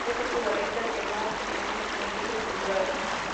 Es equivalente a "quemar" en ese sentido figurado.